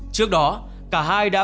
trước đó cả hai đã